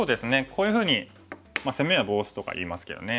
こういうふうに「攻めはボウシ」とかいいますけどね。